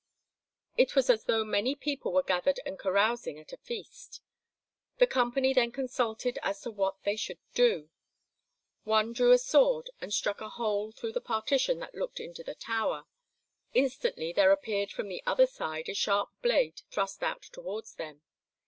It was as though many people were gathered and carousing at a feast. The company then consulted as to what they should do. One drew a sword and struck a hole through the partition that looked into the tower. Instantly there appeared from the other side a sharp blade thrust out towards them.